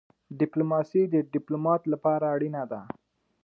ډيپلوماسي د ډيپلومات لپاره اړینه ده.